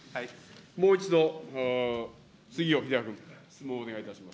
もう一度、杉尾秀哉君、質問をお願いいたします。